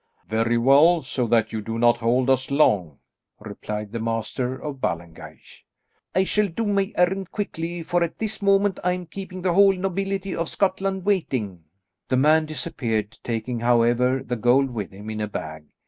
"Very well, so that you do not hold us long," replied the Master of Ballengeich. "I shall do my errand quickly, for at this moment I am keeping the whole nobility of Scotland waiting." The man disappeared, taking, however, the gold with him in a bag.